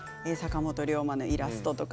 坂本龍馬のイラストとか